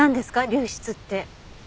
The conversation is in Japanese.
流出って。